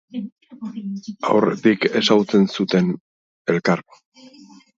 Aurretik ezagutzen zuten elkar?